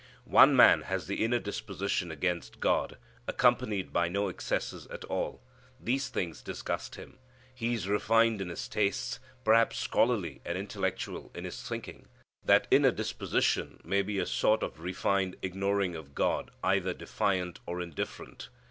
One man has the inner disposition against God, accompanied by no excesses at all. These things disgust him. He is refined in his tastes, perhaps scholarly and intellectual in his thinking. That inner disposition may be a sort of refined ignoring of God either defiant or indifferent.